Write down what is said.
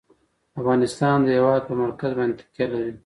افغانستان د هېواد پر مرکز باندې تکیه لري.